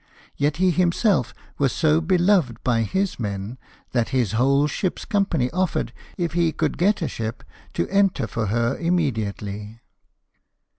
Yet he himself was so beloved by his men, that his whole 30 LIFE OF NELSON. ship's company offered, if he could get a ship, to enter for her immediately.